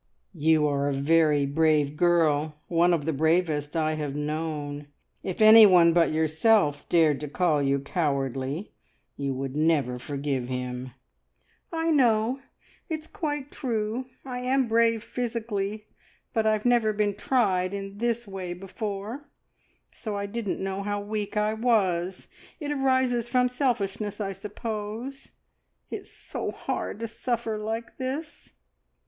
"You are a very brave girl one of the bravest I have known. If anyone but yourself dared to call you cowardly, you would never forgive him!" "I know. It's quite true. I am brave physically, but I've never been tried in this way before, so I didn't know how weak I was. It arises from selfishness, I suppose. It's so hard to suffer like this."